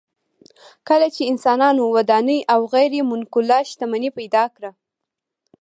کله چې انسانانو ودانۍ او غیر منقوله شتمني پیدا کړه